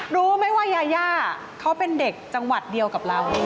รู้ไหมว่ายาย่าเขาเป็นเด็กจังหวัดเดียวกับเรา